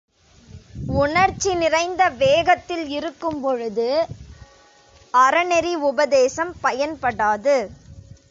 உணர்ச்சி நிறைந்த வேகத்தில் இருக்கும் பொழுது அறநெறி உபதேசம் பயன்படாது.